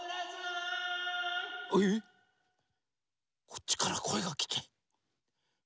こっちからこえがきてる。